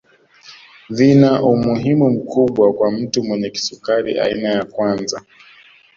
Vina umuhimu mkubwa kwa mtu mwenye kisukari aina ya kwanza